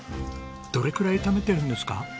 どれくらい炒めてるんですか？